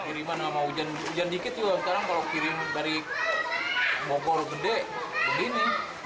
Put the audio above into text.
kiriman sama hujan dikit sekarang kalau kiriman dari bogor gede gede nih